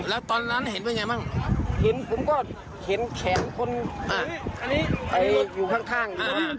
แล้วตอนนั้นเห็นว่าไงบ้างเห็นผมก็เห็นแขนคนไปอยู่ข้าง